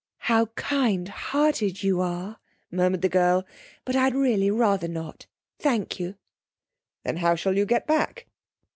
'How kind hearted you are,' murmured the girl. 'But I'd really rather not, thank you.' 'Then how shall you get back?'